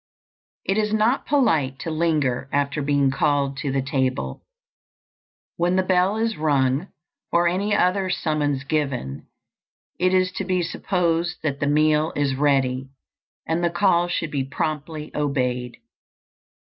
IT is not polite to linger after being called to the table. When the bell is rung, or any other summons given, it is to be supposed that the meal is ready, and the call should be promptly obeyed.